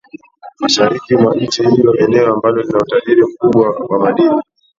mashariki mwa nchi hiyo eneo ambalo lina utajiri mkubwa wa madini